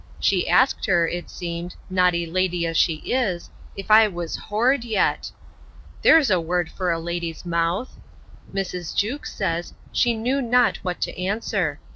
She asked her, it seemed, naughty lady as she is, if I was whored yet! There's a word for a lady's mouth! Mrs. Jewkes says, she knew not what to answer.